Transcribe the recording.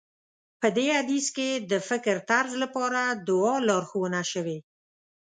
په دې حديث کې د فکرطرز لپاره دعا لارښوونه شوې.